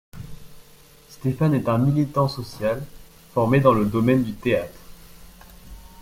Stéphane est un militant social, formé dans le domaine du théâtre.